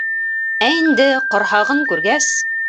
Ә инде ҡорһағын күргәс...